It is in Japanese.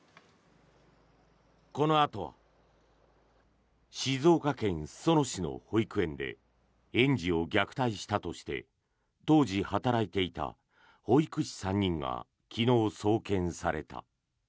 このあとは静岡県裾野市の保育園で園児を虐待したとして当時働いていた保育士３人が昨日、送検された。